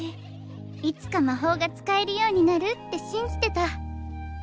いつか魔法が使えるようになるって信じてた。